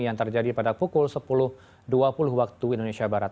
yang terjadi pada pukul sepuluh dua puluh waktu indonesia barat